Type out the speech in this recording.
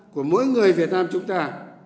của mỗi người việt nam chúng ta